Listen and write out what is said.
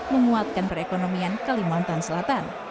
menguatkan perekonomian kalimantan selatan